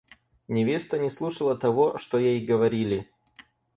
Невеста не слушала того, что ей говорили.